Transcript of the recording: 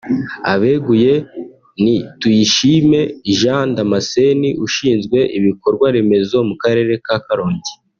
Abeguye ni Tuyishime Jean Damascene ushinzwe ibikorwa remezo mu karere ka Karongi